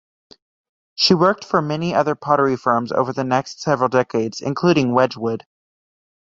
She worked for many other pottery firms over the next several decades, including Wedgwood.